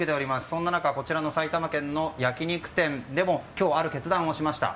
そんな中こちらの埼玉県の焼き肉店でも今日、ある決断をしました。